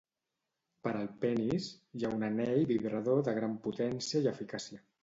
Per al penis, hi ha un anell vibrador de gran potència i eficàcia.